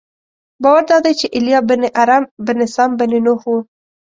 باور دادی چې ایلیا بن ارم بن سام بن نوح و.